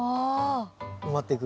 埋まってく。